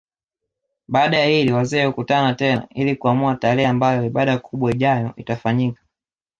Baada ya hili wazee hukutana tena ili kuamua tarehe ambayo ibada kubwa ijayo itafanyika